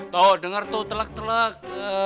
tuh denger tuh telak telak